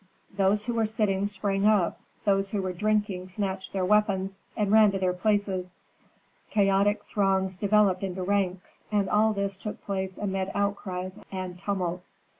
Those who were sitting sprang up; those who were drinking snatched their weapons and ran to their places; chaotic throngs developed into ranks, and all this took place amid outcries and tumult.